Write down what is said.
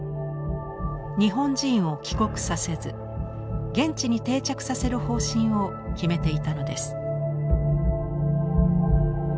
日本人を帰国させず現地に定着させる方針を決めていたのです。